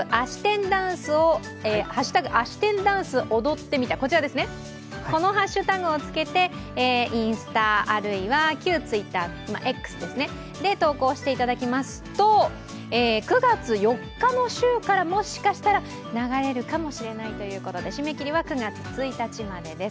あし天ダンス踊ってみたこちらですね、このハッシュタグを付けてインスタ、あるいは旧Ｔｗｉｔｔｅｒ、Ｘですね投稿していただきますと、９月４日の週から、もしかしたら流れるかもしれないということで、締め切りは９月１日までです。